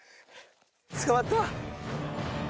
捕まった。